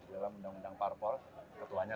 dalam undang undang parpol ketuanya